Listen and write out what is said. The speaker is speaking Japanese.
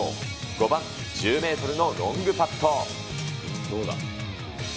５番１０メートルのロングパット。